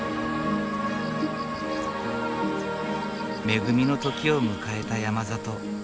恵みの時を迎えた山里。